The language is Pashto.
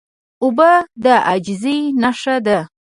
اوبه د عاجزۍ نښه ده.